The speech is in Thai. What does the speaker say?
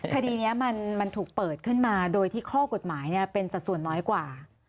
คดีนี้มันถูกเปิดขึ้นมาโดยที่ข้อกฎหมายเป็นสัดส่วนน้อยกว่า